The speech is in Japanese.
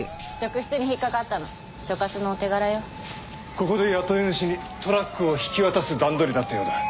ここで雇い主にトラックを引き渡す段取りだったようだ。